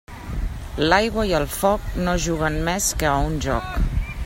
L'aigua i el foc no juguen més que a un joc.